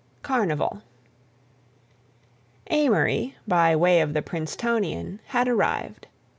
CARNIVAL Amory, by way of the Princetonian, had arrived.